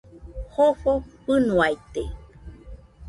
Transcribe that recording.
Jofo fɨnoaite